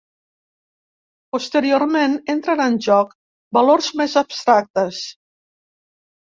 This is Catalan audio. Posteriorment entren en joc valors més abstractes.